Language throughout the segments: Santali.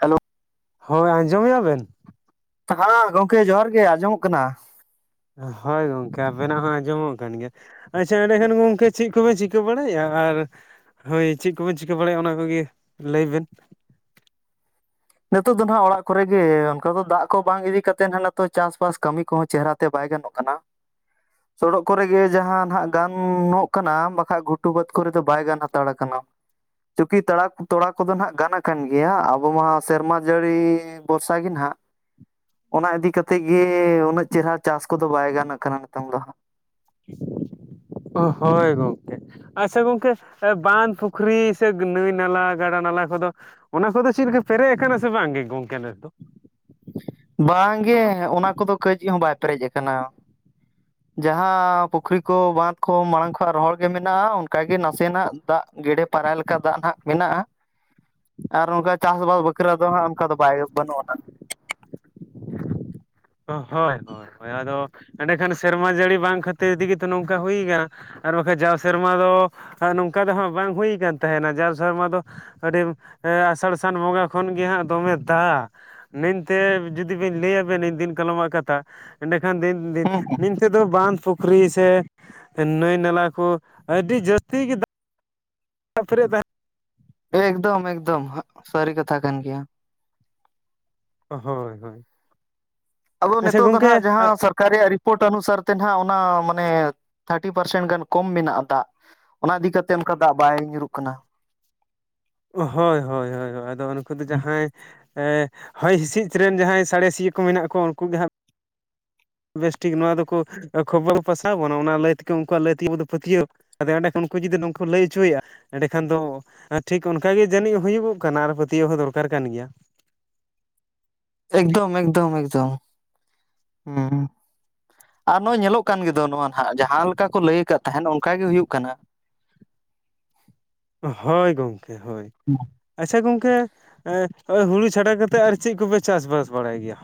ᱦᱮᱞᱳ᱾ ᱦᱳᱭ ᱟᱸᱡᱚᱢᱮᱜ ᱟᱵᱮᱱ? ᱛᱟᱦᱟ ᱜᱚᱢᱠᱮ ᱡᱚᱦᱟᱨ ᱜᱮ ᱟᱸᱡᱚᱢᱚᱜ ᱠᱟᱱᱟ᱾ ᱦᱚᱭ ᱜᱚᱝᱠᱮ ᱟᱵᱮᱱᱟᱜ ᱦᱚᱸ ᱟᱸᱡᱚᱢᱚᱜ ᱠᱟᱱ ᱜᱮᱭᱟ ᱾ ᱟᱪᱪᱷᱟ ᱮᱸᱰᱮᱠᱷᱟᱱ ᱜᱚᱝᱠᱮ ᱪᱤᱫ ᱠᱚᱵᱮᱱ ᱪᱤᱠᱟᱹ ᱵᱟᱲᱟᱭᱮᱜᱼᱟ, ᱟᱨᱼᱼ ᱦᱳᱭ ᱪᱮᱫ ᱠᱚᱵᱮᱱ ᱪᱤᱠᱟᱹ ᱵᱟᱲᱟᱭᱟ, ᱚᱱᱟ ᱠᱚᱜᱮ ᱞᱟᱹᱭ ᱵᱤᱱ᱾ ᱱᱤᱛᱚᱜ ᱫᱚ ᱱᱟᱦᱟᱜ ᱚᱲᱟᱜ ᱠᱚᱨᱮ ᱜᱮ, ᱚᱱᱠᱟ ᱫᱚ ᱫᱟᱜ ᱠᱚ ᱵᱟᱝ ᱤᱫᱤ ᱠᱟᱛᱮ ᱪᱟᱥᱵᱟᱥ ᱠᱟᱹᱢᱤ ᱠᱚᱦᱚᱸ ᱪᱮᱦᱨᱟᱛᱮ ᱵᱟᱭ ᱜᱟᱱᱚᱜ ᱠᱟᱱᱟ᱾ [inaudible] ᱥᱚᱰᱚᱜ ᱠᱚᱨᱮ ᱜᱮ ᱡᱟᱦᱟᱸ ᱱᱟᱜ ᱜᱟᱱᱚᱜ ᱠᱟᱱᱟ ᱵᱟᱠᱟᱡ ᱜᱷᱩᱼᱼ ᱜᱷᱩᱴᱩ ᱵᱟᱹᱫ ᱠᱚᱨᱮ ᱫᱚ ᱵᱟᱭ ᱜᱟᱱ ᱦᱟᱛᱟᱲ ᱟᱠᱟᱱᱟ᱾ ᱛᱩᱠᱤ ᱛᱟᱲᱟ ᱛᱚᱲᱟ ᱠᱚᱫᱚ ᱱᱟᱦᱟᱜ ᱜᱟᱱ ᱟᱠᱟᱱ ᱜᱮᱭᱟ, ᱟᱵᱚ ᱢᱟᱼᱼ ᱥᱮᱨᱢᱟ ᱡᱟᱹᱲᱤ ᱵᱚᱨᱥᱟ ᱜᱮ ᱱᱟᱦᱟᱜᱼᱼ ᱚᱱᱟ ᱤᱫᱤ ᱠᱟᱛᱮᱫ ᱜᱮ ᱩᱱᱟᱹᱜ ᱪᱮᱨᱦᱟ ᱪᱟᱥ ᱠᱚᱫᱚ ᱵᱟᱭ ᱜᱟᱱ ᱟᱠᱟᱱᱟ ᱱᱤᱛᱚᱝ ᱫᱚ ᱦᱟᱸᱜ᱾ ᱳ ᱦᱳᱭ ᱜᱚᱢᱠᱮ ᱾ ᱟᱪᱪᱷᱟ ᱜᱚᱝᱠᱮ, ᱵᱟᱸᱫᱷ ᱯᱩᱠᱷᱨᱤ ᱥᱮ ᱱᱟᱹᱭ ᱱᱟᱞᱟ ᱜᱟᱰᱟ ᱱᱟᱞᱟ ᱠᱚᱫᱚᱼᱼ ᱚᱱᱟ ᱥᱟ ᱫᱚ ᱪᱮᱫ ᱞᱮᱠᱟ ᱯᱮᱨᱮᱡ ᱟᱠᱟᱱᱟ ᱥᱮ ᱵᱟᱝᱜ ᱜᱮ ᱜᱚᱝᱠᱮ ᱱᱮᱥ ᱫᱚ? ᱵᱟᱝ ᱜᱮ ᱚᱱᱟ ᱠᱚᱫᱚ ᱠᱟᱹᱡ ᱦᱚᱸ ᱵᱟᱭ ᱯᱮᱨᱮᱡ ᱟᱠᱟᱱᱟ᱾ [inaudible] ᱡᱟᱦᱟᱸ ᱯᱩᱠᱷᱨᱤ ᱠᱚ ᱵᱟᱸᱫ ᱠᱚ ᱢᱟᱲᱟᱝ ᱠᱷᱚ ᱨᱚᱦᱚᱲ ᱜᱮ ᱢᱮᱱᱟᱜᱼᱟ, ᱚᱱᱠᱟ ᱜᱮ ᱱᱟᱥᱮᱱᱟᱜ ᱫᱟᱜ ᱜᱮᱰᱮᱼᱼ ᱯᱟᱨᱟᱭ ᱞᱮᱠᱟ ᱫᱟᱜ ᱱᱟᱦᱟᱜ ᱢᱮᱱᱟᱜᱼᱟ ᱾ [inaudible] ᱟᱨ ᱱᱚᱝᱠᱟ ᱪᱟᱥᱵᱟᱥ ᱵᱟᱠᱷᱨᱟ ᱫᱚ ᱦᱟᱜ ᱚᱱᱠᱟ ᱫᱚ ᱵᱟᱭ ᱵᱟᱹᱱᱩᱜ ᱟᱱᱟᱜ᱾ ᱦᱳᱭ ᱦᱳᱭ ᱟᱫᱚ ᱮᱸᱰᱮᱠᱷᱟᱱ ᱥᱮᱨᱢᱟ ᱡᱟᱹᱲᱤ ᱵᱟᱝ ᱠᱷᱟᱹᱛᱤᱨ ᱛᱮᱜᱮ ᱛᱚ ᱱᱚᱝᱠᱟ ᱦᱩᱭ ᱟᱠᱟᱱᱟ᱾ ᱟᱨ ᱵᱟᱠᱷᱟᱡ ᱡᱟᱣ ᱥᱮᱨᱢᱟ ᱫᱚ ᱱᱚᱝᱠᱟ ᱫᱚ ᱦᱟᱸᱜ ᱵᱟᱝ ᱦᱩᱭ ᱠᱟᱱᱟᱱ ᱛᱟᱦᱮᱱᱟ ᱡᱟᱣ ᱥᱮᱨᱢᱟ ᱫᱚᱼᱼ ᱟᱹᱰᱤ ᱮ ᱟᱥᱟᱲ ᱥᱟᱱ ᱵᱚᱸᱜᱟ ᱠᱷᱚᱱᱜᱮ ᱦᱟᱸᱜ ᱫᱚᱢᱮ ᱫᱟᱜ᱾ ᱱᱤᱱᱛᱮ ᱡᱩᱫᱤ ᱵᱤᱱ ᱞᱟᱹᱭᱟᱵᱤᱱ ᱫᱤᱱ ᱠᱟᱞᱚᱢᱟᱜ ᱠᱟᱛᱷᱟ ᱮᱸᱰᱮᱠᱷᱟᱱ ᱫᱤᱱ ᱫᱤᱱ ᱦᱩᱸ ᱱᱤᱱᱼᱼ ᱛᱮᱫᱚ ᱵᱟᱸᱫ ᱯᱩᱠᱷᱨᱤ ᱥᱮ ᱱᱟᱹᱭ ᱱᱟᱞᱟ ᱠᱚ ᱟᱹᱰᱤ ᱡᱟᱹᱥᱛᱤ ᱜᱮᱼᱼ ᱯᱷᱨᱮᱫ ᱛᱟᱦᱮᱱᱼᱼ ᱮᱠᱫᱚᱢ ᱮᱠᱫᱚᱢ ᱦᱟᱜ ᱥᱟᱹᱨᱤ ᱠᱟᱛᱷᱟ ᱠᱟᱱ ᱜᱮᱭᱟ᱾ ᱦᱳᱭ ᱦᱳᱭ᱾ ᱟᱵᱚ ᱫᱚ ᱟᱪᱪᱷᱟ ᱱᱤᱛᱚᱜ ᱫᱚ ᱜᱚᱝᱠᱮ ᱱᱟᱦᱟᱜ ᱡᱟᱦᱟᱸᱥᱟᱨᱼᱼ ᱨᱮᱭᱟᱜ ᱨᱤᱯᱳᱨᱴ ᱚᱱᱩᱥᱟᱨ ᱛᱮ ᱦᱟᱜ ᱚᱱᱟ ᱢᱟᱱᱮ ᱛᱷᱟᱨᱴᱤ ᱯᱟᱨᱥᱮᱱ ᱜᱟᱱ ᱠᱚᱢ ᱢᱮᱱᱟᱜᱼᱟ ᱫᱟᱜ᱾ ᱚᱱᱟ ᱤᱫᱤ ᱠᱟᱛᱮᱫ ᱚᱱᱠᱟ ᱫᱟᱜ ᱵᱟᱭ ᱧᱩᱨᱩᱜ ᱠᱟᱱᱟ᱾ ᱦᱳᱭ ᱦᱳᱭ ᱦᱳᱭ, ᱟᱫᱚ ᱩᱱᱠᱩ ᱫᱚ ᱡᱟᱦᱟᱸᱭᱼᱼ ᱮᱸ ᱦᱚᱭ ᱦᱤᱸᱥᱤᱫ ᱨᱮᱱ ᱡᱟᱦᱟᱸᱭ ᱥᱟᱬᱮᱥᱤᱭᱟᱹ ᱠᱚ ᱢᱮᱱᱟᱜ ᱠᱚᱣᱟ, ᱩᱱᱠᱩ ᱜᱮ ᱦᱟᱸᱜᱼᱼ ᱵᱮᱥᱴᱷᱤᱠ ᱱᱚᱣᱟ ᱫᱚᱠᱚ ᱠᱷᱚᱵᱚᱨ ᱠᱚ ᱯᱟᱥᱟᱣ ᱟᱵᱚᱱᱟ ᱚᱱᱟ ᱞᱟᱹᱭ ᱛᱮᱜᱮ ᱩᱱᱠᱩᱣᱟᱜ ᱞᱟᱹᱭ ᱛᱮ ᱟᱵᱚ ᱫᱚ ᱯᱟᱹᱛᱭᱟᱹᱣᱼᱼ ᱟᱫᱚ ᱮᱸᱰᱮ ᱠᱷᱚᱱ ᱩᱱᱠᱩ ᱡᱩᱫᱤ ᱩᱱᱠᱩ ᱞᱟᱹᱭ ᱦᱚᱪᱚᱭᱮᱜᱼᱟ, ᱮᱸᱰᱮᱠᱷᱟᱱ ᱫᱚᱼᱼ ᱟᱨ ᱴᱷᱤᱠ ᱚᱱᱠᱟ ᱜᱮ ᱡᱟᱹᱱᱤᱡ ᱦᱩᱭᱩᱜᱚᱜ ᱠᱟᱱᱟ ᱟᱨ ᱯᱟᱹᱛᱭᱟᱹᱣ ᱦᱚᱸ ᱫᱚᱨᱠᱟᱨ ᱠᱟᱱ ᱜᱮᱭᱟ᱾ ᱮᱠᱫᱚᱢ ᱮᱠᱫᱚᱢ ᱮᱠᱫᱚᱢ ᱦᱩᱸ᱾ ᱟᱨ ᱱᱚᱜᱼᱚᱭ ᱧᱮᱞᱚᱜ ᱠᱟᱱ ᱜᱮᱫᱚ ᱱᱚᱣᱟ ᱱᱟᱦᱟᱜ ᱡᱟᱦᱟᱸ ᱞᱮᱠᱟ ᱠᱚ ᱞᱟᱹᱭ ᱟᱠᱟᱫ ᱛᱟᱦᱮᱸᱫ ᱚᱱᱠᱟ ᱜᱮ ᱦᱩᱭᱩᱜ ᱠᱟᱱᱟ᱾ ᱦᱳᱭ ᱜᱚᱝᱠᱮ ᱦᱳᱭ᱾ ᱟᱪᱪᱷᱟ ᱜᱚᱝᱠᱮ ᱮᱸ ᱦᱚᱜᱼᱚᱭ ᱦᱩᱲᱩ ᱪᱷᱟᱰᱟ ᱠᱟᱛᱮᱫ ᱟᱨ ᱪᱮᱫ ᱠᱚᱯᱮ ᱪᱟᱥᱵᱟᱥ ᱵᱟᱲᱟᱭ ᱜᱮᱭᱟ?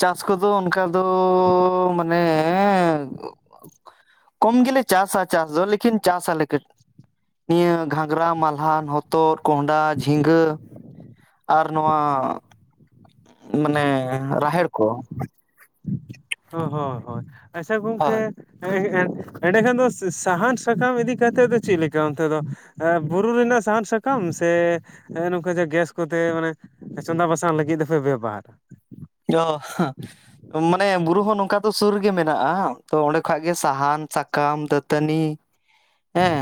ᱪᱟᱥ ᱠᱚᱫᱚ ᱚᱱᱠᱟ ᱫᱚ ᱢᱟᱱᱮᱼᱼ ᱠᱚᱢ ᱜᱮᱞᱮ ᱪᱟᱥᱟ ᱪᱟᱥ ᱫᱚ, ᱞᱮᱠᱤᱱ ᱪᱟᱥ ᱟᱞᱮᱼᱼ ᱱᱤᱭᱟᱹ ᱜᱷᱟᱝᱜᱽᱨᱟ ᱢᱟᱞᱦᱟᱱ ᱦᱚᱛᱚᱫ ᱠᱚᱸᱰᱷᱟ ᱡᱷᱤᱸᱜᱟᱹ ᱟᱨ ᱱᱚᱣᱟ ᱢᱟᱱᱮ ᱨᱟᱦᱮᱲ ᱠᱚ ᱦᱚ ᱦᱚ ᱦᱳᱭ ᱟᱪᱪᱷᱟ ᱜᱚᱝᱠᱮ ᱦᱳᱭ ᱦᱮᱸ ᱮᱸᱰᱮᱠᱷᱟᱱ ᱫᱚ ᱥᱟᱦᱟᱱ ᱥᱟᱠᱟᱢ ᱤᱫᱤ ᱠᱟᱛᱮ ᱫᱚ ᱪᱮᱫ ᱞᱮᱠᱟ ᱚᱱᱛᱮ ᱫᱚ ᱵᱩᱨᱩ ᱨᱮᱱᱟᱜ ᱥᱟᱦᱟᱱ ᱥᱟᱠᱟᱢ ᱥᱮ ᱱᱚᱝᱠᱟ ᱡᱟ ᱜᱮᱥ ᱠᱚᱛᱮ ᱢᱟᱱᱮ ᱪᱚᱸᱫᱟ ᱵᱟᱥᱟᱝ ᱞᱟᱹᱜᱤᱫ ᱫᱚᱯᱮ ᱵᱮᱵᱦᱟᱨ [unintelligible] ᱢᱟᱱᱮ ᱵᱩᱨᱩ ᱦᱚᱸ ᱱᱚᱝᱠᱟ ᱫᱚ ᱥᱩᱨ ᱨᱮᱜᱮ ᱢᱮᱱᱟᱜ-ᱟ ᱛᱚ ᱚᱸᱰᱮ ᱠᱷᱟᱡ ᱜᱮ ᱥᱟᱦᱟᱱ ᱥᱟᱠᱟᱢ ᱫᱟᱹᱛᱟᱹᱱᱤ ᱦᱮᱸ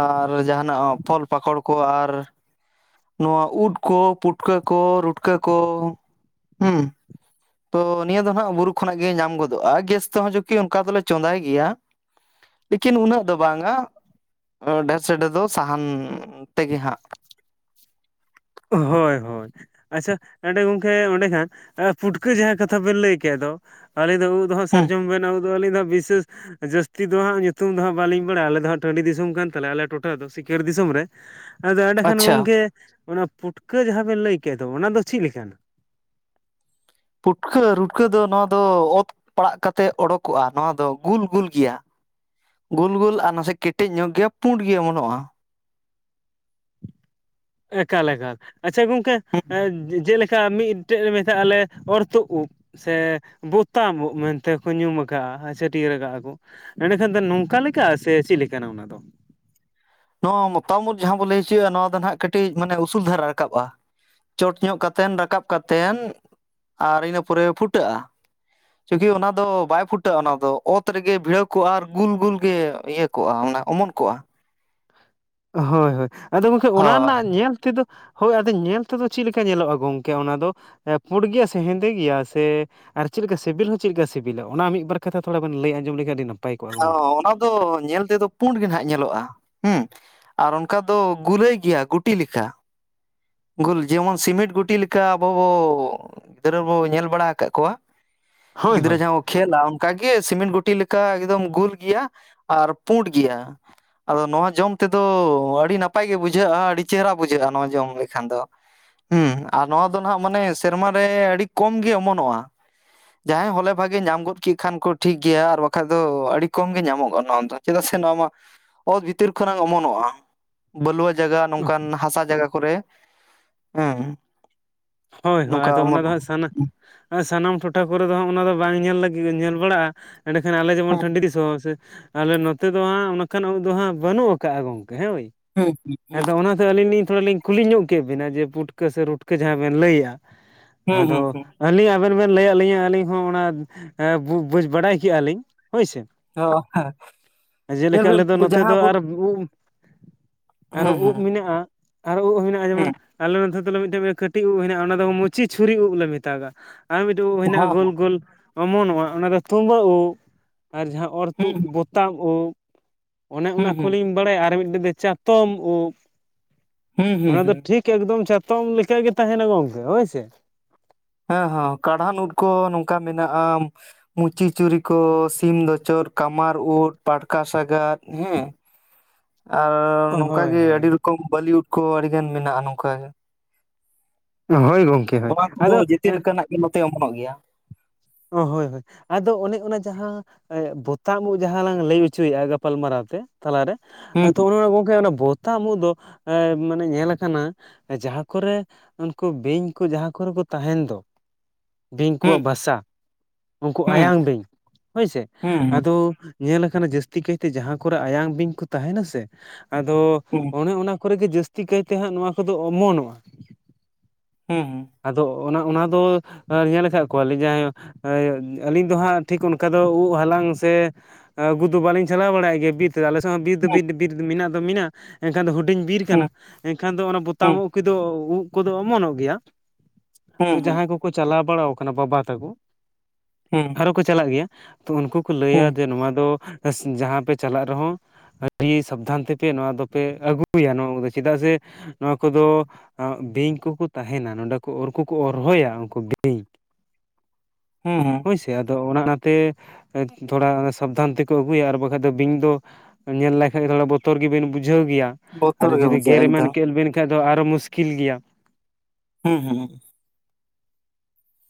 ᱟᱨ ᱡᱟᱦᱟᱱᱟᱜ ᱯᱷᱚᱞ ᱯᱟᱠᱚᱲ ᱠᱚ ᱟᱨ ᱱᱚᱣᱟ ᱩᱫ ᱠᱚ ᱯᱩᱴᱠᱟᱹ ᱠᱚ ᱨᱩᱴᱠᱟᱹ ᱠᱚ ᱦᱩᱸ ᱛᱚ ᱱᱤᱭᱟᱹ ᱫᱚ ᱦᱟᱸᱜ ᱵᱩᱨᱩ ᱠᱷᱚᱱᱟᱜ ᱜᱮ ᱧᱟᱢ ᱜᱚᱫᱚᱜ-ᱟ ᱜᱮᱥ ᱛᱮᱦᱚᱸ ᱪᱩᱠᱤ ᱚᱱᱠᱟ ᱫᱚᱞᱮ ᱪᱚᱸᱫᱟᱭ ᱜᱮᱭᱟ ᱞᱤᱠᱤᱱ ᱩᱱᱟᱹᱜ ᱫᱚ ᱵᱟᱝᱟ ᱰᱷᱮᱨ ᱥᱮᱰᱮ ᱫᱚ ᱥᱟᱦᱟᱱ ᱛᱮᱜᱮ ᱦᱟᱸᱜ ᱦᱳᱭ ᱦᱳᱭ ᱟᱪᱷᱟ ᱱᱟᱸᱰᱮ ᱜᱚᱝᱠᱮ ᱚᱸᱰᱮ ᱠᱷᱟᱱ ᱯᱩᱴᱠᱟᱹ ᱡᱟᱦᱟᱸ ᱠᱟᱛᱷᱟ ᱵᱮᱱ ᱞᱟᱹᱭ ᱠᱮᱫ ᱫᱚ ᱟᱹᱞᱤᱧ ᱫᱚ ᱩᱫ ᱫᱚ ᱦᱟᱸᱜ ᱦᱩᱸ ᱥᱟᱨᱡᱚᱢ ᱵᱮᱱᱟ ᱩᱫ ᱫᱚ ᱟᱹᱞᱤᱧ ᱫᱚ ᱵᱤᱥᱮᱥ ᱡᱟᱹᱥᱛᱤ ᱫᱚ ᱦᱟᱸᱜᱟ ᱧᱩᱛᱩᱢ ᱫᱚ ᱦᱟᱸᱜ ᱵᱟᱹᱞᱤᱧ ᱵᱟᱲᱟᱭᱟ ᱟᱞᱮ ᱫᱚ ᱦᱟᱸᱜ ᱴᱟᱺᱰᱤ ᱫᱤᱥᱚᱢ ᱠᱟᱱ ᱛᱟᱞᱮᱭᱟ ᱟᱞᱮ ᱴᱚᱴᱷᱟ ᱫᱚ ᱥᱤᱠᱟᱹᱨ ᱫᱤᱥᱚᱢ ᱨᱮ ᱟᱫᱚ ᱮᱸᱰᱮᱠᱷᱟᱱ ᱟᱪᱪᱷᱟ ᱜᱚᱝᱠᱮ ᱚᱱᱟ ᱯᱩᱴᱠᱟᱹ ᱡᱟᱦᱟᱸ ᱵᱮᱱ ᱞᱟᱹᱭ ᱠᱮᱫ ᱫᱚ ᱚᱱᱟ ᱫᱚ ᱪᱮᱫ ᱞᱮᱠᱟᱱᱟ ᱯᱩᱴᱠᱟᱹ ᱨᱩᱴᱠᱟᱹ ᱫᱚ ᱱᱚᱣᱟ ᱫᱚ ᱚᱛ ᱯᱟᱲᱟᱜ ᱠᱟᱛᱮᱫ ᱚᱰᱳᱠᱚᱜ-ᱟ ᱱᱚᱣᱟ ᱫᱚ ᱜᱩᱞ ᱜᱩᱞ ᱜᱮᱭᱟ᱾ ᱜᱳᱞ ᱜᱳᱞ ᱟᱨ ᱱᱟᱥᱮ ᱠᱮᱴᱮᱡ ᱧᱚᱜ ᱜᱮᱭᱟ ᱯᱩᱸᱰ ᱜᱮ ᱚᱢᱚᱱᱚᱜ-ᱟ᱾ ᱮᱠᱟᱞᱮᱠᱟᱞ ᱟᱪᱪᱷᱟ ᱜᱚᱝᱠᱮ ᱦᱩᱸ ᱡᱮᱸ ᱠᱟ ᱢᱤᱫᱴᱮᱡ ᱢᱮᱛᱟᱜ-ᱟ ᱞᱮ ᱚᱨᱛᱚᱜ ᱩᱵ ᱥᱮ ᱵᱚᱛᱟᱢ ᱢᱮᱱᱛᱮ ᱠᱚ ᱧᱩᱢ ᱠᱟᱜ-ᱟ ᱪᱷᱟᱹᱴᱭᱟᱹᱨ ᱠᱟᱜ-ᱟ ᱠᱚ ᱮᱰᱮᱠᱷᱟᱱ ᱫᱚ ᱱᱚᱝᱠᱟ ᱞᱮᱠᱟ ᱥᱮ ᱪᱮᱫ ᱞᱮᱠᱟᱱᱟ ᱚᱱᱟ ᱫᱚ? ᱱᱚᱣᱟ ᱢᱚᱛᱟᱢᱚᱛ ᱡᱟᱦᱟᱸ ᱵᱚ ᱞᱟᱹᱭ ᱦᱚᱪᱚᱣᱟᱜ-ᱟ ᱱᱚᱣᱟ ᱫᱚ ᱱᱟᱜ ᱠᱟᱹᱴᱤᱡ ᱢᱟᱱᱮ ᱩᱥᱩᱞ ᱫᱷᱟᱨᱟ ᱨᱟᱠᱟᱵ ᱟ᱾ ᱪᱚᱴ ᱧᱚᱜ ᱠᱟᱛᱮᱫ ᱨᱟᱠᱟᱵ ᱠᱟᱛᱮᱫ ᱟᱨ ᱤᱱᱟᱹ ᱯᱚᱨᱮ ᱯᱷᱩᱴᱟᱹᱜ ᱟ᱾ ᱪᱩᱠᱤ ᱚᱱᱟ ᱫᱚ ᱵᱟᱭ ᱯᱷᱩᱴᱟᱹᱜ ᱟ ᱚᱱᱟ ᱫᱚ ᱚᱛ ᱨᱮᱜᱮ ᱵᱷᱤᱲᱟᱹᱣ ᱠᱚᱜ ᱟ ᱟᱨ ᱜᱩᱞ ᱜᱩᱞ ᱜᱮ ᱤᱭᱟᱹ ᱠᱚᱜ ᱟ ᱚᱱᱟ ᱚᱢᱚᱱ ᱠᱚᱜ ᱟ᱾ ᱦᱳᱭ ᱦᱳᱭ ᱟᱫᱚ ᱜᱚᱝᱠᱮ ᱚᱱᱟ ᱦᱳᱭ ᱨᱮᱱᱟᱜ ᱧᱮᱞ ᱛᱮᱫᱚ ᱦᱳᱭ ᱟᱫᱚ ᱧᱮᱞ ᱛᱮᱫᱚ ᱪᱮᱫ ᱞᱮᱠᱟ ᱧᱮᱞᱚᱜ-ᱟ ᱜᱚᱝᱠᱮ ᱚᱱᱟ ᱫᱚ ᱯᱩᱸᱰ ᱜᱮᱭᱟ ᱥᱮ ᱦᱮᱸᱫᱮ ᱜᱮᱭᱟ ᱥᱮ ᱟᱨ ᱪᱮᱫ ᱞᱮᱠᱟ ᱥᱤᱵᱤᱞ ᱦᱚᱸ ᱪᱮᱫ ᱞᱮᱠᱟ ᱥᱤᱵᱤᱞᱟ ᱚᱱᱟ ᱢᱤᱫ ᱵᱟᱨ ᱠᱟᱛᱷᱟ ᱛᱷᱚᱲᱟ ᱵᱮᱱ ᱞᱟᱹᱭ ᱟᱡᱚᱢ ᱞᱮᱠᱷᱟᱱ ᱟᱹᱰᱤ ᱱᱟᱯ? ᱚ ᱚᱱᱟ ᱫᱚ ᱧᱮᱞ ᱛᱮᱫᱚ ᱯᱩᱸᱰ ᱜᱮ ᱱᱟᱜ ᱧᱮᱞᱚᱜ ᱟ ᱦᱩᱸ ᱟᱨ ᱚᱱᱠᱟ ᱫᱚ ᱜᱩᱨᱟᱹᱭ ᱜᱮᱭᱟ ᱜᱩᱴᱤ ᱞᱮᱠᱟ ᱜᱳᱞ ᱡᱮᱢᱚᱱ ᱥᱤᱢᱮᱱᱴ ᱜᱩᱴᱤ ᱞᱮᱠᱟ ᱟᱵᱚ ᱵᱚ ᱜᱤᱫᱽᱨᱟᱹ ᱵᱚ ᱧᱮᱞ ᱵᱟᱲᱟ ᱟᱠᱟᱫ ᱠᱚᱣᱟ ᱦᱳᱭ ᱜᱤᱫᱽᱨᱟᱹ ᱦᱳᱭ ᱡᱟᱦᱟ ᱠᱷᱮᱞᱟ ᱚᱱᱠᱟᱜᱮ ᱥᱤᱢᱮᱱᱴ ᱜᱷᱩᱴᱤ ᱞᱮᱠᱟ ᱮᱠᱫᱚᱢ ᱜᱩᱞ ᱜᱮᱭᱟ ᱟᱨ ᱯᱩᱸᱰ ᱜᱮᱭᱟ᱾ ᱟᱫᱚ ᱱᱚᱣᱟ ᱡᱚᱢ ᱛᱮᱫᱚ ᱟᱹᱰᱤ ᱱᱟᱯᱟᱭ ᱜᱮ ᱵᱩᱡᱷᱟᱹᱜ-ᱟ ᱟᱹᱰᱤ ᱪᱮᱦᱚᱨᱟ ᱵᱩᱡᱷᱟᱹᱜ-ᱟ ᱱᱚᱣᱟ ᱡᱚᱢ ᱞᱟᱹᱜᱤᱫ ᱠᱷᱟᱱ ᱫᱚ ᱦᱩᱸ ᱟᱨ ᱱᱚᱣᱟ ᱫᱚ ᱱᱟᱜ ᱢᱟᱱᱮ ᱥᱮᱨᱢᱟ ᱨᱮ ᱟᱹᱰᱤ ᱠᱚᱢ ᱜᱮ ᱚᱢᱚᱱᱚᱜ-ᱟ᱾ ᱡᱟᱦᱟᱸᱭ ᱦᱚᱞᱮ ᱵᱷᱟᱜᱮ ᱧᱟᱢ ᱜᱚᱫ ᱠᱮᱫ ᱠᱷᱟᱱ ᱠᱚ ᱴᱷᱤᱠ ᱜᱮᱭᱟ ᱟᱨ ᱵᱟᱠᱷᱟᱡ ᱫᱚ ᱟᱹᱰᱤ ᱠᱚᱢ ᱜᱮ ᱧᱟᱢᱚᱜ-ᱟ ᱱᱚᱣᱟ ᱫᱚ᱾ ᱪᱮᱫᱟᱜ ᱥᱮ ᱱᱚᱣᱟ ᱢᱟ ᱚᱛ ᱵᱷᱤᱛᱤᱨ ᱠᱷᱚᱱᱟᱝ ᱚᱢᱚᱱᱚᱜ-ᱟ᱾ ᱵᱟᱹᱞᱩᱣᱟᱹ ᱡᱟᱭᱜᱟ ᱱᱚᱝᱠᱟᱱ ᱦᱟᱥᱟ ᱡᱟᱭᱜᱟ ᱠᱚᱨᱮ ᱦᱮᱸ ᱦᱳᱭ ᱦᱳᱭ ᱱᱚᱝᱠᱟ ᱟᱫᱚ ᱚᱱᱟ ᱫᱚ ᱚᱢᱚᱱᱚᱜ ᱦᱟᱸᱜ ᱥᱟᱱᱟ ᱥᱟᱱᱟᱢ ᱴᱚᱴᱷᱟ ᱠᱚᱨᱮ ᱫᱚ ᱦᱟᱸᱜ ᱚᱱᱟ ᱫᱚ ᱵᱟᱝ ᱧᱮᱞ ᱞᱟᱹᱜᱤᱫ ᱧᱮᱞ ᱵᱟᱲᱟᱜ-ᱟ᱾ ᱮᱸᱰᱮᱠᱷᱟᱱ ᱟᱞᱮ ᱡᱮᱢᱚᱱ ᱴᱟᱺᱰᱤ ᱫᱤᱥᱚᱢ ᱦᱚᱨ ᱥᱮ ᱛᱟᱦᱞᱮ ᱱᱚᱛᱮ ᱫᱚ ᱦᱟᱸᱜ ᱚᱱᱠᱟᱱ ᱩᱵ ᱫᱚ ᱦᱟᱸᱜ ᱵᱟᱹᱱᱩᱜ ᱟᱠᱟᱜ-ᱟ ᱜᱚᱢᱠᱮ ᱦᱳᱭ ᱦᱩᱸ ᱦᱩᱸ ᱦᱮᱸᱫᱚ ᱚᱱᱟ ᱟᱹᱞᱤᱧ ᱞᱤᱧ ᱛᱷᱚᱲᱟ ᱞᱤᱧ ᱠᱩᱞᱤ ᱧᱚᱜ ᱠᱮᱫ ᱵᱤᱱᱟ ᱡᱮ ᱯᱩᱴᱠᱟᱹ ᱥᱮ ᱨᱩᱴᱠᱟᱹ ᱡᱟᱦᱟᱸ ᱵᱮᱱ ᱞᱟᱹᱭᱟ᱾ ᱦᱩᱸ ᱦᱩᱸ ᱦᱩᱸ ᱟᱸᱫᱚ᱾ ᱦᱩᱸ ᱟᱹᱞᱤᱧ ᱟᱵᱮᱱ ᱵᱮᱱ ᱞᱟᱹᱭ ᱟᱫ ᱞᱤᱧᱟᱹ ᱟᱹᱞᱤᱧ ᱦᱚᱸ ᱚᱱᱟ ᱵᱩᱡᱽ ᱵᱟᱰᱟᱭ ᱠᱮᱭᱟ ᱞᱤᱧ ᱦᱳᱭ ᱥᱮ ᱚ ᱦᱮᱸ ᱧᱮᱞ ᱡᱮᱞᱮᱠᱟ ᱵᱤᱱ ᱟᱞᱮ ᱫᱚ ᱱᱚᱛᱮ ᱡᱟᱦᱟᱸ ᱫᱚ ᱟᱨ ᱵᱩᱨᱩ ᱟᱨᱚ ᱦᱩᱸ ᱩᱵ ᱦᱩᱸ ᱢᱮᱱᱟᱜ-ᱟ ᱟᱨᱚ ᱩᱵ ᱢᱮᱱᱟᱜ-ᱟ ᱡᱮᱢᱚᱱ ᱦᱩᱸ ᱟᱞᱮ ᱱᱚᱛᱮ ᱫᱚᱞᱮ ᱢᱤᱫᱴᱮᱱ ᱴᱤᱭᱩᱵ ᱦᱮᱱᱟᱜ-ᱟ ᱚᱱᱟ ᱫᱚ ᱢᱩᱪᱤ ᱪᱷᱩᱨᱤ ᱩᱵ ᱞᱮ ᱢᱮᱛᱟᱜᱟᱜ ᱟᱨ ᱢᱤᱫᱴᱮᱡ ᱩᱵ ᱦᱮᱱᱟᱜ-ᱟ ᱦᱚᱸ ᱜᱳᱞ ᱜᱳᱞ ᱚᱢᱚᱱᱚᱜ-ᱟ ᱚᱱᱟ ᱫᱚ ᱛᱩᱢᱵᱟᱹ ᱳᱜ ᱟᱨ ᱡᱟᱦᱟᱸ ᱦᱩᱸ ᱚᱨᱛᱩᱫ ᱦᱩᱸ ᱵᱚᱛᱟ ᱳᱵ ᱚᱱᱮ ᱦᱩᱸ ᱚᱱᱟ ᱠᱚᱞᱤᱧ ᱵᱟᱲᱟᱭᱟ ᱟᱨ ᱢᱤᱫᱴᱮᱡ ᱫᱚ ᱪᱟᱛᱚᱢ ᱩᱵ, ᱦᱩᱸ ᱦᱩᱸ ᱚᱱᱟ ᱫᱚ ᱦᱩᱸ ᱴᱷᱤᱠ ᱮᱠᱫᱚᱢ ᱪᱟᱛᱚᱢ ᱞᱮᱠᱟ ᱜᱮ ᱛᱟᱦᱮᱱᱟ ᱜᱚᱝᱠᱮ ᱦᱳᱭ ᱥᱮ᱾ ᱦᱚᱸ, ᱦᱚᱸ ᱠᱟᱲᱦᱟᱱ ᱩᱫ ᱠᱚ ᱱᱚᱝᱠᱟ ᱢᱮᱱᱟᱜ-ᱟ᱾ ᱢᱩᱪᱤ ᱪᱩᱨᱤ ᱠᱚ ᱥᱤᱢ ᱫᱳᱪᱳᱫ ᱠᱟᱢᱟᱨ ᱳᱫᱽ ᱯᱟᱴᱠᱟ ᱥᱟᱜᱟᱫ ᱦᱮᱸ ᱟᱨ ᱱᱚᱝᱠᱟ ᱦᱳᱭ ᱜᱮ ᱦᱳᱭ ᱟᱹᱰᱤ ᱨᱚᱠᱚᱢ ᱵᱚᱞᱤ ᱩᱫ ᱠᱚ ᱟᱹᱰᱤ ᱜᱟᱱ ᱢᱮᱱᱟᱜ-ᱟ ᱱᱚᱝᱠᱟ ᱜᱮ᱾ ᱦᱳᱭ ᱜᱚᱝᱠᱮ ᱦᱳᱭ ᱚᱱᱟ ᱠᱚᱫᱚ ᱟᱫᱚ ᱡᱮᱛᱮ ᱮᱸᱻ ᱞᱮᱠᱟᱱᱟᱜ ᱱᱚᱛᱮ ᱚᱢᱚᱱᱚᱜ ᱜᱮᱭᱟ᱾ ᱚ ᱦᱳᱭ ᱦᱳᱭ ᱾ ᱟᱫᱚ ᱚᱱᱮ ᱚᱱᱟ ᱡᱟᱦᱟᱸ ᱵᱚᱛᱟᱢ ᱩᱫ ᱡᱟᱦᱟᱸ ᱞᱟᱝ ᱞᱟᱹᱭ ᱚᱪᱚᱭᱮᱫᱼᱟ ᱜᱟᱯᱟᱞ ᱢᱟᱨᱟᱣ ᱛᱮ, ᱛᱟᱞᱟᱨᱮ ᱦᱩᱸ ᱛᱚ ᱚᱱᱮᱚᱱᱟ ᱜᱚᱢᱠᱮ ᱚᱱᱟ ᱵᱚᱛᱟᱢ ᱩᱫᱽ ᱫᱚ ᱮ ᱢᱟᱱᱮ ᱧᱮᱞ ᱠᱟᱱᱟ ᱡᱟᱦᱟ ᱠᱚᱨᱮ ᱩᱱᱠᱩ ᱵᱤᱧ ᱠᱚ ᱡᱟᱦᱟ ᱠᱚᱨᱮ ᱠᱚ ᱛᱟᱦᱮᱱ ᱫᱚ᱾ ᱵᱤᱧ ᱦᱩᱸ ᱠᱚᱣᱟᱜ ᱵᱟᱥᱟ ᱩᱱᱠᱩ ᱦᱩᱸ ᱟᱭᱟᱝ ᱵᱤᱧ ᱦᱳᱭ ᱥᱮ ᱦᱩᱸ ᱟᱫᱚ ᱠᱚ ᱧᱮᱞ ᱟᱠᱟᱱᱟ ᱡᱟᱹᱥᱛᱤ ᱠᱟᱭᱛᱮ ᱡᱟᱦᱟᱸ ᱠᱚᱨᱮ ᱟᱭᱟᱝ ᱵᱤᱧ ᱠᱚ ᱛᱟᱦᱮᱱᱟ ᱥᱮ ᱟᱫᱚ ᱦᱩᱸ ᱚᱱᱮ ᱚᱱᱟ ᱠᱚᱨᱮ ᱜᱮ ᱡᱟᱹᱥᱛᱤ ᱠᱟᱭᱛᱮ ᱦᱟᱸᱜ ᱱᱚᱣᱟ ᱠᱚᱫᱚ ᱚᱢᱚᱱᱚᱜ-ᱟ ᱾ ᱦᱩᱸ ᱦᱩᱸ᱾ ᱟᱫᱚ ᱚᱱᱟ ᱚᱱᱟ ᱫᱚ ᱧᱮᱞ ᱟᱠᱟᱫ ᱠᱚᱣᱟᱞᱤᱧ ᱡᱟᱦᱟᱸᱭ ᱮ ᱟᱹᱞᱤᱧ ᱫᱚ ᱦᱟᱸᱜ ᱴᱷᱤᱠ ᱚᱱᱠᱟ ᱫᱚ ᱩᱜ ᱦᱟᱞᱟᱝ ᱥᱮ ᱟᱹᱜᱩ ᱫᱚ ᱵᱟᱞᱤᱧ ᱪᱟᱞᱟᱣ ᱵᱟᱲᱟᱜ ᱜᱮᱭᱟ ᱵᱤᱨ ᱛᱮᱫ ᱟᱞᱮ ᱥᱮᱫ ᱦᱚᱸ ᱵᱤᱨ ᱫᱚ ᱵᱤᱨ ᱵᱤᱨ ᱢᱮᱱᱟᱜ ᱫᱚ ᱢᱤᱱᱟᱜ-ᱟ ᱮᱱᱠᱷᱟᱱ ᱫᱚ ᱦᱩ ᱰᱤᱧ ᱵᱤᱨ ᱦᱩᱸ ᱠᱟᱱᱟ ᱮᱱᱠᱷᱟᱱ ᱫᱚ ᱚᱱᱟ ᱦᱩᱸ ᱵᱚᱛᱟᱢ ᱩᱜ ᱠᱩᱫᱚ ᱩᱫ ᱠᱚᱫᱚ ᱚᱢᱚᱱᱚᱜ ᱜᱮᱭᱟ᱾ ᱦᱩᱸ ᱛᱚ ᱦᱩᱸ ᱡᱟᱦᱟᱸᱭ ᱠᱚᱠᱚ ᱪᱟᱞᱟᱣ ᱵᱟᱲᱟ ᱠᱟᱱᱟ ᱵᱟᱵᱟ ᱛᱟᱠᱚ ᱦᱩᱸ ᱾ [unintelligible] ᱠᱚ ᱪᱟᱞᱟᱜ ᱜᱮᱭᱟ ᱛᱚ ᱩᱱᱠᱩ ᱠᱚ ᱞᱟᱹᱭᱟ ᱡᱮ ᱱᱚᱣᱟ ᱫᱚ ᱡᱟᱦᱟᱸ ᱯᱮ ᱪᱟᱞᱟᱜ ᱨᱮᱦᱚᱸ ᱟᱹᱰᱤ ᱥᱟᱵᱫᱷᱟᱱ ᱛᱮᱯᱮ ᱱᱚᱣᱟ ᱫᱚᱯᱮ ᱟᱹᱜᱩᱭᱟ ᱱᱚᱣᱟ ᱠᱚᱫᱚ ᱪᱮᱫᱟᱜ ᱥᱮ ᱱᱚᱣᱟ ᱠᱚᱫᱚ ᱵᱤᱧ ᱠᱚᱠᱚ ᱛᱟᱦᱮᱱᱟ ᱱᱚᱰᱮ ᱠᱚ ᱩᱨ ᱠᱚᱠᱚ ᱦᱚᱨᱦᱚᱭᱟ ᱩᱱᱠᱩ ᱵᱤᱧ᱾ ᱦᱩᱸ ᱦᱩᱸ, ᱦᱳᱭ ᱥᱮ ᱟᱫᱚ ᱚᱱᱟ ᱚᱱᱟ ᱛᱮ ᱛᱷᱚᱲᱟ ᱥᱟᱵᱫᱷᱟᱱ ᱛᱮᱠᱚ ᱟᱹᱜᱩᱭᱟ᱾ ᱟᱨ ᱵᱟᱠᱷᱟᱡ ᱫᱚ ᱵᱤᱧ ᱫᱚ ᱧᱮᱞ ᱞᱟᱭᱠᱷᱟᱭ ᱛᱷᱚᱲᱟ ᱵᱚᱛᱚᱨ ᱜᱮᱵᱤᱱ ᱵᱩᱡᱷᱟᱹᱣ ᱜᱮᱭᱟ ᱟᱨ ᱵᱚᱛᱚᱨ ᱜᱮ ᱡᱩᱫᱤ ᱵᱩᱡᱷᱟᱹᱜᱼᱟ ᱜᱮᱨ ᱮᱢᱟᱱ ᱮᱠᱫᱚᱢ ᱠᱮᱫ ᱵᱤᱱ ᱠᱷᱟᱡ ᱫᱚ ᱟᱨᱚ ᱢᱩᱥᱠᱤᱞ ᱜᱮᱭᱟ᱾ ᱦᱩᱸ ᱦᱩᱸ᱾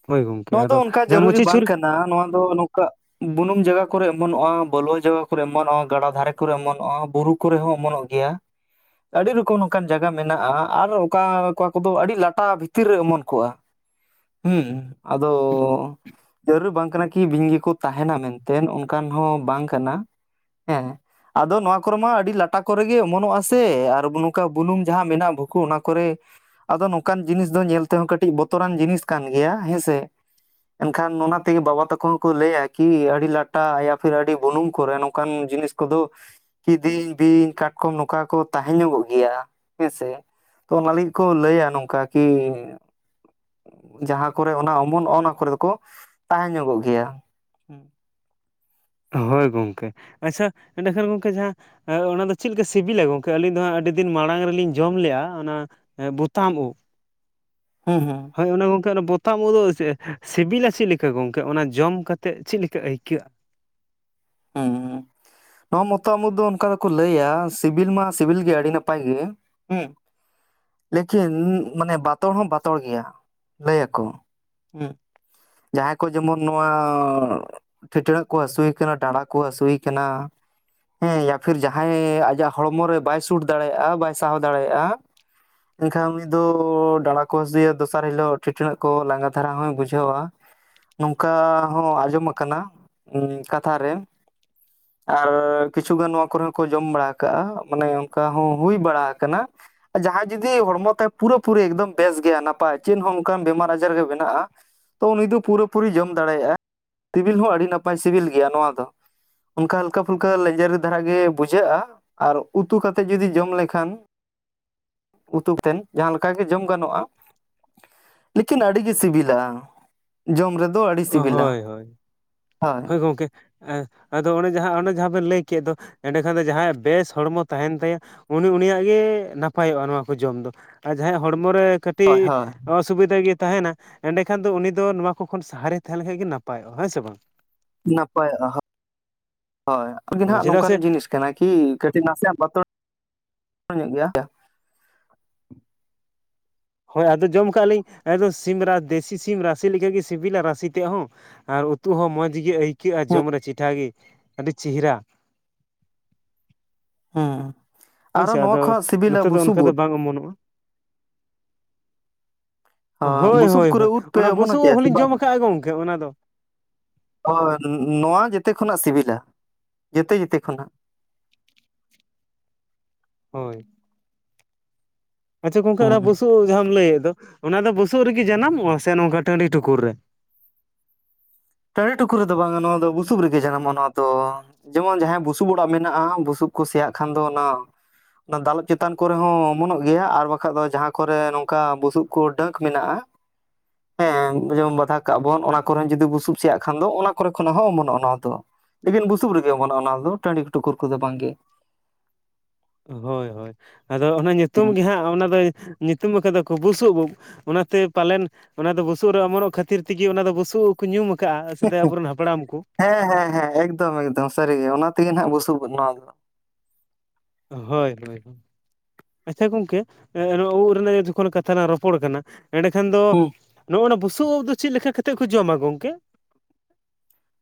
ᱦᱳᱭ ᱜᱚᱝᱠᱮ ᱱᱚᱣᱟ ᱫᱚ ᱟᱫᱚ ᱚᱱᱠᱟ ᱡᱟᱦᱟᱸ ᱡᱟᱹᱨᱩᱨᱤ ᱢᱩᱪᱤ ᱵᱟᱝ ᱪᱷᱩᱨᱤ ᱠᱟᱱᱟ ᱱᱚᱣᱟ ᱫᱚ ᱱᱚᱝᱠᱟ ᱵᱩᱱᱩᱢ ᱡᱟᱭᱜᱟ ᱠᱚᱨᱮᱜ ᱚᱢᱚᱱᱚᱜᱼᱟ, ᱵᱟᱹᱞᱣᱟᱹ ᱡᱟᱭᱜᱟ ᱠᱚᱨᱮᱜ ᱚᱢᱚᱱᱚᱜᱼᱟ, ᱜᱟᱰᱟ ᱫᱷᱟᱨᱮ ᱠᱚᱨᱮᱜ ᱚᱢᱚᱱᱚᱜᱼᱟ, ᱵᱩᱨᱩ ᱠᱩ ᱨᱮᱦᱚᱸ ᱚᱢᱚᱱᱚᱜ ᱜᱮᱭᱟ᱾ ᱟᱹᱰᱤ ᱨᱚᱠᱚᱢ ᱱᱚᱱᱠᱟᱱ ᱡᱟᱭᱜᱟ ᱢᱮᱱᱟᱜᱼᱟ ᱟᱨ ᱚᱠᱟ ᱚᱠᱟ ᱠᱚᱫᱚ ᱟᱹᱰᱤ ᱞᱟᱴᱟ ᱵᱷᱤᱛᱤᱨ ᱨᱮ ᱚᱢᱚᱱ ᱠᱚᱜᱼᱟ᱾ ᱦᱩᱸ ᱟᱫᱚ ᱡᱟᱹᱨᱩᱨ ᱵᱟᱝ ᱠᱟᱱᱟ ᱠᱤ ᱵᱤᱧ ᱜᱮᱠᱚ ᱛᱟᱦᱮᱱᱟ ᱢᱮᱱᱛᱮ ᱚᱱᱠᱟᱱ ᱦᱚᱸ ᱵᱟᱝ ᱠᱟᱱᱟ ᱦᱮᱸ᱾ ᱟᱫᱚ ᱱᱚᱣᱟ ᱠᱚᱨᱮ ᱢᱟ ᱟᱹᱰᱤ ᱞᱟᱴᱟ ᱠᱚᱨᱮᱜ ᱜᱮ ᱚᱢᱚᱱᱚᱜ-ᱟ ᱥᱮ ᱟᱨ ᱱᱚᱝᱠᱟ ᱵᱩᱱᱩᱢ ᱡᱟᱦᱟᱸ ᱢᱮᱱᱟᱜ ᱵᱷᱩᱠᱩ ᱚᱱᱟ ᱠᱚᱨᱮ᱾ ᱟᱫᱚ ᱱᱚᱝᱠᱟᱱ ᱡᱤᱱᱤᱥ ᱫᱚ ᱧᱮᱞ ᱛᱮᱦᱚᱸ ᱠᱟᱹᱴᱤᱡ ᱵᱚᱛᱚᱨᱟᱱ ᱡᱤᱱᱤᱥ ᱠᱟᱱ ᱜᱮᱭᱟ, ᱦᱮᱸ ᱥᱮ? ᱮᱱᱠᱷᱟᱱ ᱚᱱᱟ ᱛᱮᱜᱮ ᱵᱟᱵᱟ ᱛᱟᱠᱚ ᱦᱚᱸ ᱠᱚ ᱞᱟᱹᱭᱟ ᱠᱤ ᱟᱹᱰᱤ ᱞᱟᱴᱟ ᱮᱭᱟ ᱯᱷᱤᱨ ᱟᱹᱰᱤ ᱵᱩᱱᱩᱢ ᱠᱚᱨᱮ ᱱᱚᱝᱠᱟᱱ ᱡᱤᱱᱤᱥ ᱠᱚᱫᱚ ᱠᱤᱫᱤᱧ ᱵᱤᱧ ᱠᱟᱴᱠᱚᱢ ᱱᱚᱝᱠᱟ ᱠᱚ ᱛᱟᱦᱮᱸ ᱧᱚᱜᱚᱜ ᱜᱮᱭᱟ ᱦᱮᱸᱥᱮ ᱾ ᱛᱚ ᱚᱱᱟ ᱞᱟᱹᱜᱤᱫ ᱠᱚ ᱞᱟᱹᱭᱟ ᱱᱚᱝᱠᱟ ᱠᱤ ᱡᱟᱦᱟᱸ ᱠᱚᱨᱮ ᱚᱱᱮ ᱚᱱᱟ ᱚᱢᱚᱱᱚᱜ-ᱟ ᱚᱱᱟ ᱠᱚᱨᱮ ᱫᱚᱠᱚ ᱛᱟᱦᱮᱸ ᱧᱚᱜᱚᱜ ᱜᱮᱭᱟ᱾ ᱦᱩᱸ ᱦᱳᱭ ᱜᱚᱝᱠᱮ ᱟᱪᱪᱷᱟ ᱮᱸᱰᱮ ᱠᱷᱟᱱ ᱜᱚᱝᱠᱮ ᱡᱟᱦᱟᱸ ᱚᱱᱟ ᱫᱚ ᱪᱮᱫ ᱞᱮᱠᱟ ᱥᱤᱵᱤᱞᱟ ᱜᱚᱝᱠᱮ ᱟᱹᱞᱤᱧ ᱫᱚ ᱦᱟᱸᱜ ᱟᱹᱰᱤ ᱫᱤᱱ ᱢᱟᱲᱟᱝ ᱨᱮᱞᱤᱧ ᱡᱚᱢ ᱞᱮ-ᱟ ᱚᱱᱟ [inaudible] ᱦᱩᱸ ᱦᱩᱸ ᱾ ᱦᱳᱭ ᱚᱱᱮ ᱜᱚᱝᱠᱮ ᱚᱱᱟ ᱵᱚᱛᱟᱢ ᱳᱫ ᱫᱚ ᱪᱮᱫ? ᱥᱤᱵᱤᱞᱟ ᱪᱮᱫ ᱞᱮᱠᱟ ᱜᱚᱝᱠᱮ? ᱚᱱᱟ ᱡᱚᱢ ᱠᱟᱛᱮᱫ ᱪᱮᱫ ᱞᱮᱠᱟ ᱟᱹᱭᱠᱟᱹᱜ-ᱟ? ᱦᱮᱸ ᱦᱮᱸ᱾ ᱱᱚᱣᱟ ᱢᱚᱛᱟᱢ ᱩᱫᱽ ᱫᱚ ᱚᱱᱠᱟ ᱫᱚᱠᱚ ᱞᱟᱹᱭᱟ ᱥᱤᱵᱤᱞ ᱢᱟ ᱥᱤᱵᱤᱞ ᱜᱮ ᱟᱹᱰᱤ ᱱᱟᱯᱟᱭ ᱜᱮ ᱾ [unintelligible] ᱞᱮᱠᱤᱱ ᱢᱟᱱᱮ ᱵᱟᱛᱚᱲ ᱦᱚᱸ ᱵᱟᱛᱚᱲ ᱜᱮᱭᱟ ᱞᱟᱹᱭ ᱟᱠᱚ ᱦᱩᱸ᱾ ᱡᱟᱦᱟᱸᱭ ᱠᱚ ᱡᱮᱢᱚᱱ ᱱᱚᱣᱟ ᱴᱷᱮᱴᱟᱹᱲᱟᱹᱜ ᱠᱚ ᱦᱟᱹᱥᱩᱭᱮ ᱠᱟᱱᱟ ᱰᱟᱸᱲᱟ ᱠᱚ ᱦᱟᱹᱥᱩᱭᱮ ᱠᱟᱱᱟ ᱦᱮᱸᱭᱟ ᱯᱷᱤᱨ ᱡᱟᱦᱟᱸᱭ ᱟᱡᱟᱜ ᱦᱚᱲᱢᱚ ᱨᱮ ᱵᱟᱭ ᱥᱩᱴ ᱫᱟᱲᱮᱭᱟᱜᱼᱟ᱾ ᱵᱟᱭ ᱥᱟᱦᱟᱣ ᱫᱟᱲᱮᱭᱟᱜᱼᱟ ᱮᱱᱠᱷᱟᱱ ᱩᱱᱤ ᱫᱚ ᱰᱟᱸᱲᱟ ᱠᱚ ᱦᱟᱹᱥᱩᱭᱭᱟ ᱫᱚᱥᱟᱨ ᱦᱤᱞᱳᱜ ᱴᱷᱤᱴᱟᱹᱲᱟᱹᱜ ᱠᱚ ᱞᱟᱸᱜᱟ ᱫᱷᱟᱨᱟ ᱦᱚᱸᱭ ᱵᱩᱡᱷᱟᱹᱣᱟ ᱱᱚᱝᱠᱟ ᱦᱚᱸ ᱟᱸᱡᱚᱢ ᱠᱟᱱᱟ ᱠᱟᱛᱷᱟ ᱨᱮ ᱟᱨ ᱠᱤᱪᱷᱩᱜᱟᱱ ᱱᱚᱣᱟ ᱠᱚᱨᱮ ᱦᱚᱸ ᱠᱚ ᱡᱚᱢ ᱵᱟᱲᱟ ᱟᱠᱟᱜᱼᱟ ᱢᱟᱱᱮ ᱚᱱᱠᱟ ᱦᱚᱸ ᱦᱩᱭ ᱵᱟᱲᱟ ᱟᱠᱟᱱᱟ᱾ ᱡᱟᱦᱟᱸᱭ ᱡᱩᱫᱤ ᱦᱚᱲᱢᱚ ᱛᱟᱭ ᱯᱩᱨᱟᱹ ᱯᱩᱨᱤ ᱮᱠᱫᱚᱢ ᱵᱮᱥ ᱜᱮᱭᱟ ᱱᱟᱯᱟᱭ ᱪᱮᱫ ᱦᱚᱸ ᱚᱱᱠᱟᱱ ᱵᱮᱢᱟᱨ ᱟᱡᱟᱨ ᱜᱮ ᱵᱮᱱᱟᱜᱼᱟ᱾ ᱛᱚ ᱩᱱᱤ ᱫᱚ ᱯᱩᱨᱟᱹᱯᱩᱨᱤ ᱡᱚᱢ ᱫᱟᱲᱮᱭᱟᱜᱼᱟ᱾ ᱥᱤᱵᱤᱞ ᱦᱚᱸ ᱟᱹᱰᱤ ᱱᱟᱯᱟᱭ ᱥᱤᱵᱤᱞ ᱜᱮᱭᱟ ᱱᱚᱣᱟ ᱫᱚ ᱚᱱᱠᱟ ᱦᱟᱞᱠᱟ ᱯᱷᱩᱞᱠᱟᱹ ᱞᱮᱧᱡᱮᱨ ᱫᱷᱟᱨᱟ ᱜᱮ ᱵᱩᱡᱷᱟᱹᱜᱼᱟ᱾ ᱟᱨ ᱩᱛᱩ ᱠᱟᱛᱮᱫ ᱡᱩᱫᱤ ᱡᱚᱢ ᱞᱮᱠᱷᱟᱱ ᱩᱛᱩ ᱛᱮᱱ ᱡᱟᱦᱟᱸ ᱞᱮᱠᱟ ᱜᱮ ᱡᱚᱢ ᱜᱟᱱᱚᱜᱼᱟ᱾ ᱞᱮᱠᱤᱱ ᱟᱹᱰᱤ ᱜᱮ ᱥᱤᱵᱤᱞᱟ᱾ ᱡᱚᱢ ᱨᱮᱫᱚ ᱟᱹᱰᱤ ᱥᱤᱵᱤᱞᱟ ᱦᱳᱭ᱾ ᱜᱚᱝᱠᱮᱻ ᱟᱫᱚ ᱚᱱᱮ ᱡᱟᱦᱟᱸ ᱚᱱᱮ ᱡᱟᱦᱟᱸ ᱵᱮᱱ ᱞᱟᱹᱭ ᱠᱮᱫ ᱫᱚ ᱮᱸᱰᱮᱠᱷᱟᱱ ᱫᱚ ᱡᱟᱦᱟᱸᱭᱟᱜ ᱵᱮᱥ ᱦᱚᱲᱢᱚ ᱛᱟᱦᱮᱱ ᱛᱟᱭᱟ ᱩᱱᱤ ᱩᱱᱤᱭᱟᱜ ᱜᱮ ᱱᱟᱯᱟᱭᱚᱜᱼᱟ ᱱᱚᱣᱟ ᱠᱚ ᱡᱚᱢ ᱫᱚ ᱾ ᱟᱨ ᱡᱟᱦᱟᱸᱭᱟᱜ ᱦᱚᱲᱢᱚ ᱨᱮ ᱠᱟᱹᱴ ᱴᱤ ᱦᱳᱭ ᱦᱳᱭ ᱱᱚᱣᱟ ᱥᱩᱵᱤᱫᱷᱟ ᱜᱮ ᱛᱟᱦᱮᱱᱟ ᱮᱸᱰᱮᱠᱷᱟᱱ ᱫᱚ ᱩᱱᱤ ᱫᱚ ᱱᱚᱣᱟ ᱠᱚ ᱠᱷᱚᱱ ᱥᱟᱦᱟᱨᱮ ᱛᱟᱦᱮᱸ ᱞᱮᱱᱠᱟᱡ ᱜᱮ ᱱᱟᱯᱟᱭᱚᱜᱼᱟ᱾ ᱦᱮᱸ ᱥᱮ ᱵᱟᱝ? ᱱᱟᱯᱟᱭᱚᱜᱼᱟ ᱦᱳᱜ [unintelligible] ᱳᱭ ᱟᱵᱤᱱᱟᱜ ᱦᱳᱭ ᱱᱟᱦᱟᱜ ᱪᱮᱫᱟᱜ ᱱᱚᱝᱠᱟᱱ ᱥᱮ ᱡᱤᱱᱤᱥ ᱠᱟᱱᱟ ᱠᱤ ᱠᱟᱹᱴᱤᱡ ᱱᱟᱥᱮᱭᱟᱜ ᱵᱟᱛᱚᱲ ᱧᱚᱜ ᱜᱮᱭᱟ᱾ ᱦᱳᱭ ᱟᱫᱚ ᱡᱚᱢ ᱠᱟᱜ ᱞᱤᱧ ᱟᱫᱚ ᱥᱤ ᱫᱮᱥᱤ ᱥᱤᱢ ᱨᱟᱥᱮ ᱞᱮᱠᱟ ᱜᱮ ᱥᱤᱵᱤᱞᱟ ᱨᱟᱥᱮ ᱛᱮ ᱦᱚᱸ᱾ ᱟᱨ ᱩᱛᱩ ᱦᱚᱸ ᱢᱚᱸᱡᱽ ᱜᱮ ᱟᱹᱭᱠᱟᱹᱜᱼᱟ, ᱦᱩᱸ ᱡᱚᱢ ᱨᱮ ᱪᱤᱴᱷᱮ ᱟᱹᱰᱤ ᱪᱮᱦᱤᱨᱟ᱾ ᱦᱩᱸ, ᱟᱨᱚ ᱦᱳᱭᱥᱮ ᱱᱚᱣᱟ ᱟᱫᱚ ᱠᱷᱣᱟᱜ ᱥᱤᱵᱤᱞᱟ ᱱᱚᱛᱮ ᱫᱚ ᱵᱩᱥᱩᱵ ᱚᱱᱠᱟ ᱫᱚ ᱩᱫᱽ᱾ ᱵᱟᱝ ᱚᱢᱚᱱᱚᱜᱼᱟ, ᱦᱚᱸ ᱦᱳᱭ, ᱵᱩᱥᱩᱵ ᱦᱳᱭ, ᱠᱚᱨᱮ ᱦᱳᱭ ᱩᱫ ᱯᱮ ᱚᱱᱟ ᱚᱢᱚᱱ ᱵᱩᱥᱩᱵ ᱦᱚᱪᱚᱭᱟ ᱦᱚᱸ ᱥᱮ ᱞᱤᱧ ᱵᱟᱝ? ᱡᱚᱢ ᱟᱠᱟᱜᱼᱟ ᱜᱚᱝᱠᱮ ᱚᱱᱟ ᱫᱚ᱾ ᱦᱳᱭ ᱱᱚᱣᱟ ᱡᱮᱛᱮ ᱠᱷᱚᱱᱟᱜ ᱥᱤᱵᱤᱞᱟ ᱡᱮᱛᱮ ᱡᱮᱛᱮ ᱠᱷᱚᱱᱟᱜ᱾ ᱦᱳᱭ᱾ ᱟᱪᱪᱷᱟ ᱜᱚᱝᱠᱮ ᱚᱱᱟ ᱦᱩᱸ ᱵᱩᱥᱩᱵ ᱡᱟᱦᱟᱸᱢ ᱞᱟᱹᱭ ᱮᱫ ᱫᱚ᱾ ᱚᱱᱟ ᱫᱚ ᱵᱩᱥᱩᱵ ᱨᱮᱜᱮ ᱡᱟᱱᱟᱢᱚᱜᱼᱟ ᱥᱮ ᱱᱚᱝᱠᱟ ᱴᱟᱺᱰᱤ ᱴᱩᱠᱩᱨ ᱨᱮ? ᱴᱟᱲᱤ ᱴᱩᱠᱩᱨ ᱨᱮᱫᱚ ᱵᱟᱝᱟ ᱱᱚᱣᱟ ᱫᱚ ᱵᱩᱥᱩᱵ ᱨᱮᱜᱮ ᱡᱟᱱᱟᱢᱚᱜᱼᱟ ᱱᱚᱣᱟ ᱫᱚ᱾ ᱡᱮᱢᱚᱱ ᱡᱟᱦᱟᱸᱭᱼᱟᱜ ᱵᱩᱥᱩᱵ ᱚᱲᱟᱜ ᱢᱮᱱᱟᱜᱼᱟ ᱾ ᱵᱩᱥᱩᱵ ᱠᱚ ᱥᱮᱭᱟᱜ ᱠᱷᱟᱱ ᱫᱚ ᱚᱱᱟ ᱚᱱᱟ ᱫᱟᱞᱚᱵ ᱪᱮᱛᱟᱱ ᱠᱚᱨᱮ ᱦᱚᱸ ᱚᱢᱚᱱᱚᱜ ᱜᱮᱭᱟ ᱟᱨ ᱵᱟᱠᱷᱟᱡ ᱫᱚ ᱡᱟᱦᱟᱸ ᱠᱚᱨᱮ ᱱᱚᱝᱠᱟ ᱵᱩᱥᱩᱵ ᱰᱟᱹᱠ ᱢᱮᱱᱟᱜᱼᱟ᱾ ᱦᱮᱸ ᱡᱮᱢᱚᱱ ᱵᱟᱫᱷᱟ ᱠᱟᱜ ᱵᱚᱱ ᱚᱱᱟ ᱠᱚᱨᱮ ᱡᱩᱫᱤ ᱵᱩᱥᱩᱵ ᱥᱮᱭᱟᱜ ᱠᱷᱟᱱ ᱫᱚ ᱚᱱᱟ ᱠᱚᱨᱮ ᱠᱷᱚᱱ ᱦᱚᱸ ᱚᱢᱚᱱᱚᱜᱼᱟ ᱱᱚᱣᱟ ᱫᱚ᱾ ᱞᱮᱠᱤᱱ ᱵᱩᱥᱩᱵ ᱨᱮᱜᱮ ᱵᱚᱱ ᱚᱱᱟ ᱫᱚ, ᱴᱟᱺᱰᱤ ᱴᱩᱠᱩᱨ ᱠᱚᱫᱚ ᱵᱟᱝ ᱜᱮ᱾ ᱦᱳᱭ, ᱦᱳᱭ ᱟᱫᱚ ᱚᱱᱟ ᱧᱩᱛᱩᱢ ᱦᱩᱸ ᱜᱮ ᱦᱟᱸᱜ ᱚᱱᱟ ᱫᱚ ᱧᱩᱛᱩᱢ ᱟᱠᱟᱫᱟ ᱫᱚ ᱠᱚ ᱵᱩᱥᱩᱵ ᱩᱵ᱾ ᱚᱱᱟᱛᱮ ᱯᱟᱞᱮᱱ, ᱚᱱᱟ ᱫᱚ ᱵᱩᱥᱩᱵ ᱨᱮ ᱚᱢᱚᱱᱚᱜ ᱠᱷᱟᱹᱛᱤᱨ ᱛᱮᱜᱮ ᱚᱱᱟ ᱫᱚ ᱵᱩᱥᱩᱵ ᱩᱫᱽ ᱠᱩ ᱧᱩᱢ ᱟᱠᱟᱜᱼᱟ᱾ ᱥᱮᱫᱟᱭ ᱟᱵᱚᱨᱮᱱ ᱦᱟᱯᱲᱟᱢ ᱠᱚ᱾ ᱦᱮᱸ ᱦᱮᱸ ᱦᱮᱸ ᱮᱠᱫᱚᱢ ᱮᱠᱫᱚᱢ ᱥᱟᱹᱨᱤ ᱜᱮ, ᱚᱱᱟ ᱛᱮᱜᱮ ᱱᱟᱜ ᱵᱩᱥᱩᱵ ᱩᱫ ᱱᱚᱣᱟ ᱫᱚ᱾ ᱦᱳᱭ, ᱦᱳᱭ᱾ ᱟᱪᱪᱷᱟ ᱜᱚᱝᱠᱮ, ᱮᱸᱜ ᱱᱚᱣᱟ ᱳᱜ ᱨᱮᱱᱟᱜ ᱡᱚᱠᱷᱚᱱ ᱠᱟᱛᱷᱟ ᱞᱟᱝ ᱨᱚᱯᱚᱲ ᱠᱟᱱᱟ᱾ ᱮᱸᱰᱮ ᱠᱷᱟᱱ ᱫᱚ ᱦᱩᱸ ᱱᱚᱜ ᱱᱟ ᱵᱩᱥᱩᱵ ᱩᱵ [unintelligible] ᱫᱚ ᱪᱮᱫ ᱞᱮᱠᱟ ᱠᱟᱛᱮ ᱮᱫ ᱠᱚ ᱡᱚᱢᱼᱟ ᱜᱚᱝᱠᱮ?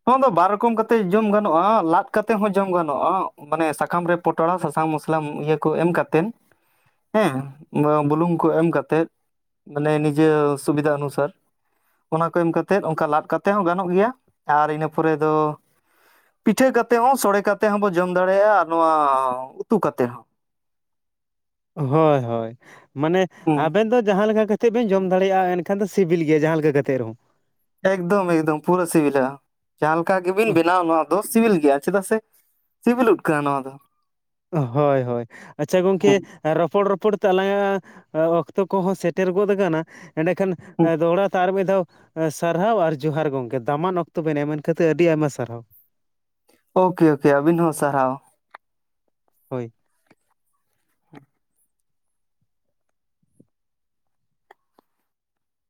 ᱱᱚᱣᱟ ᱫᱚ ᱵᱟᱨ ᱨᱚᱠᱚᱢ ᱠᱟᱛᱮ ᱡᱚᱢ ᱜᱟᱱᱚᱜᱼᱟ᱾ ᱞᱟᱫ ᱠᱟᱛᱮ ᱦᱚᱸ ᱡᱚᱢ ᱜᱟᱱᱚᱜᱼᱟ ᱢᱟᱱᱮ ᱥᱟᱠᱟᱢ ᱨᱮ ᱯᱚᱴᱚᱲᱟ ᱥᱟᱥᱟᱝ ᱢᱚᱥᱞᱟ ᱤᱭᱟᱹ ᱠᱚ ᱮᱢ ᱠᱟᱛᱮᱱ ᱦᱮᱸ, ᱵᱩᱞᱩᱝ ᱠᱚ ᱮᱢ ᱠᱟᱛᱮᱜ, ᱢᱟᱱᱮ ᱱᱤᱡᱮ ᱥᱩᱵᱤᱫᱷᱟ ᱚᱱᱩᱥᱟᱨ᱾ ᱚᱱᱟ ᱠᱚ ᱮᱢ ᱠᱟᱛᱮᱫ᱾ ᱚᱱᱠᱟ ᱞᱟᱫ ᱠᱟᱛᱮᱫ ᱦᱚᱸ ᱜᱟᱱᱚᱜ ᱜᱮᱭᱟ ᱟᱨ ᱤᱱᱟᱹ ᱯᱚᱨᱮ ᱫᱚ ᱯᱤᱴᱷᱟᱹ ᱠᱟᱛᱮ ᱦᱚᱸ, ᱥᱚᱲᱮ ᱠᱟᱛᱮ ᱦᱚᱸ ᱵᱚ ᱡᱚᱢ ᱫᱟᱲᱮᱭᱟᱜᱼᱟ ᱾ ᱟᱨ ᱱᱚᱣᱟ ᱩᱛᱩ ᱠᱟᱛᱮ ᱦᱚᱸ᱾ ᱦᱳᱭ, ᱦᱳᱭ ᱢᱟᱱᱮ ᱦᱩᱸ ᱟᱵᱮᱱ ᱫᱚ ᱡᱟᱦᱟᱸ ᱞᱮᱠᱟ ᱠᱟ ᱛᱮ ᱵᱮᱱ ᱡᱚᱢ ᱫᱟᱲᱮᱭᱟᱜᱼᱟ ᱮᱱᱠᱷᱟᱱ ᱫᱚ ᱥᱤᱵᱤᱞ ᱜᱮᱭᱟ ᱡᱟᱦᱟᱸ ᱞᱮᱠᱟ ᱠᱟᱛᱮᱫ ᱨᱮᱦᱚᱸ᱾ ᱮᱠᱫᱚᱢ ᱮᱠᱫᱚᱢ ᱯᱩᱨᱟᱹ ᱥᱤᱵᱤᱞᱟ᱾ ᱡᱟᱦᱟᱸ ᱞᱮᱠᱟ ᱜᱮ ᱵᱤᱱ ᱵᱮᱱᱟᱣ ᱱᱚᱣᱟ ᱫᱚ ᱥᱤᱵᱤᱞ ᱜᱮᱭᱟ᱾ ᱪᱮᱫᱟᱜ ᱥᱮ ᱥᱤᱵᱤᱞ ᱩᱫᱽ ᱠᱟᱱᱟ ᱱᱚᱣᱟ ᱫᱚ᱾ ᱦᱳᱭ ᱦᱳᱭ, ᱟᱪᱪᱷᱟ ᱜᱚᱝᱠᱮ ᱦᱩᱸ ᱨᱚᱯᱚᱲ ᱨᱚᱯᱚᱲ ᱛᱮ ᱟᱞᱟᱝᱟᱜ ᱚᱠᱛᱚ ᱠᱚᱦᱚᱸ ᱥᱮᱴᱮᱨ ᱜᱚᱫ ᱟᱠᱟᱱᱟ, ᱮᱸᱰᱮᱠᱷᱟᱱ ᱦᱩᱸ ᱫᱚᱦᱲᱟᱛᱮ ᱟᱨ ᱢᱤᱫ ᱫᱷᱟᱣ ᱥᱟᱨᱦᱟᱣ ᱟᱨ ᱡᱚᱦᱟᱨ ᱜᱚᱢᱠᱮ, ᱫᱟᱢᱟᱱ ᱚᱠᱛᱚ ᱵᱮᱱ ᱮᱢ ᱢᱮᱱ ᱠᱟᱹᱛᱤᱨ ᱟᱹᱰᱤ ᱟᱭᱢᱟ ᱥᱟᱨᱦᱟᱣ᱾ ᱳᱠᱮ ᱳᱠᱮ ᱟᱹᱵᱤᱱ ᱦᱚᱸ ᱥᱟᱨᱦᱟᱣ᱾ ᱦᱳᱭ᱾